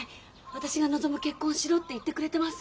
私が望む結婚をしろって言ってくれてます。